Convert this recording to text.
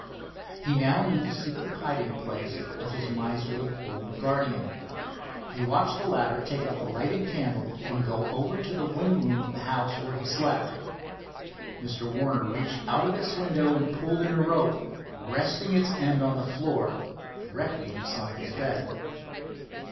He now knew the secret hiding place of his miserly old guardian. He watched the latter take up the lighted candle and go over to the wing room of the house where he slept. Mr. Warner reached out of its window and pulled in a rope, resting its end on the floor directly beside his bed.